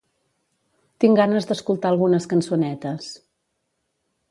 Tinc ganes d'escoltar algunes cançonetes.